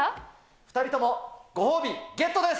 ２人とも、ご褒美ゲットです。